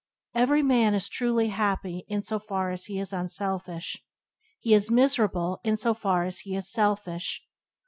Every man is truly happy in so far as he is unselfish; he is miserable in so far as he is selfish.